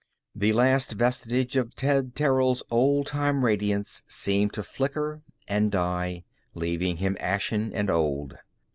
The last vestige of Ted Terrill's old time radiance seemed to flicker and die, leaving him ashen and old.